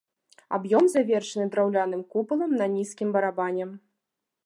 Аб'ём завершаны драўляным купалам на нізкім барабане.